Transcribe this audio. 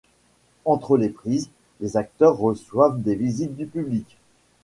Entre les prises, les acteurs reçoivent des visites du public.